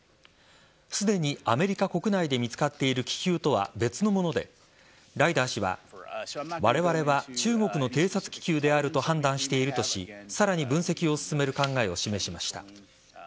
すでにアメリカ国内で見つかっている気球とは別のものでライダー氏はわれわれは中国の偵察気球であると判断しているとしさらに分析を進める考えを示しました。